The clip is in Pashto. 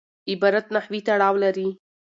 عبارت نحوي تړاو لري.